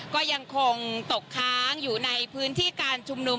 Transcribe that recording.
ก็ยังคงตกค้างอยู่ในพื้นที่การชุมนุม